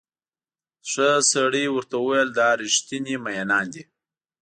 ښه سړي ورته وویل دا ریښتیني مئینان دي.